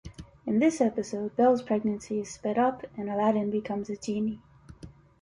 In this episode, Belle's pregnancy is sped up, and Aladdin becomes a genie.